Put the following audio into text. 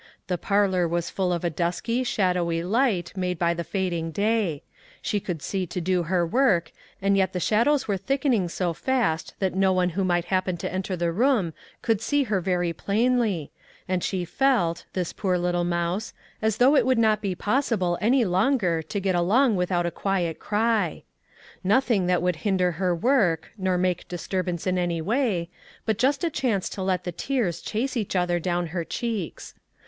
The parlor was full of a dusky, shadowy light made by the fading day; she could see to do her work, and yet the shadows were thickening so fast that no one who might happen to enter the room could see her very plainly, and she felt, this poor little mouse, as though it would not be possible any longer to get along without a quiet cry. Nothing that would hinder her work, nor make disturbance in any way, but just a chance to let the tears chase each other down her cheeks.